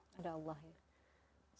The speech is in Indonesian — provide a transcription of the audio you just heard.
berdoa kepada allah ya